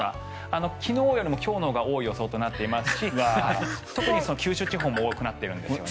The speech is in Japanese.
昨日よりも今日のほうが多い予想となっていまして特に九州地方も多くなっているんですよね。